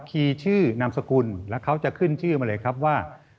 คีย์ชื่อนามสกุลแล้วเขาจะขึ้นชื่อมาเลยครับว่า